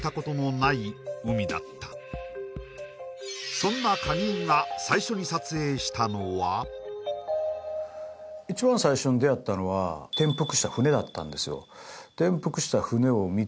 そんな鍵井が最初に撮影したのは一番最初に出会ったのは転覆した船だったんですよ